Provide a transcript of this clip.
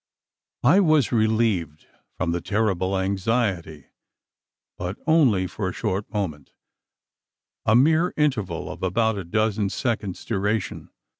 I was relieved from the terrible anxiety; but only for a short moment a mere interval of about a dozen seconds' duration.